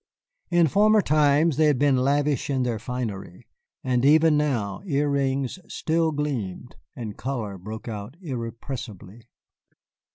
In former times they had been lavish in their finery, and even now earrings still gleamed and color broke out irrepressibly.